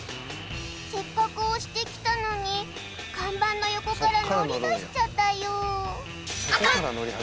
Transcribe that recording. せっかく押してきたのに看板の横から乗りだしちゃったよ